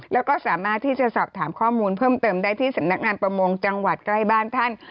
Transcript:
แล้วก็สามารถที่จะสอบถามข้อมูลเพิ่มเติมได้ที่สำนักงานประมงจังหวัดใกล้บ้านท่าน